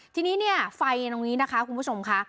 ทีนี้เนี่ยไฟตรงนี้นะคะคุณผู้ชมค่ะ